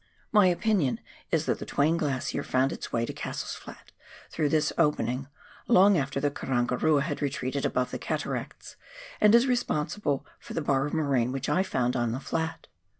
My opinion is that the Twain Glacier foimd its way to Cassell's Flat through this opening, long after the Karangarua had retreated above the cataracts, and is responsible for the bar of moraine which I found on the flat.